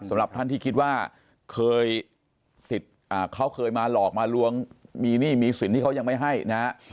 สำหรับท่านที่คิดว่าเคยเขาเคยมาหลอกมาลวงมีหนี้มีสินที่เขายังไม่ให้นะฮะ